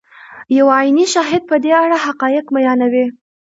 یو عیني شاهد په دې اړه حقایق بیانوي.